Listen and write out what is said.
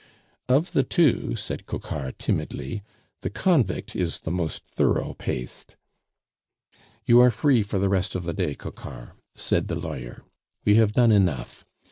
"Of the two," said Coquart timidly, "the convict is the most thorough paced." "You are free for the rest of the day, Coquart," said the lawyer. "We have done enough.